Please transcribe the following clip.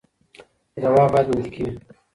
ځواب باید منطقي وي.